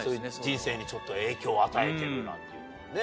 人生にちょっと影響を与えてるなんていうのはね。